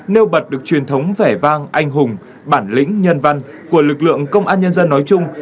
nêu bật được truyền thống vẻ vang anh hùng bản lĩnh nhân văn của lực lượng công an nhân dân nói chung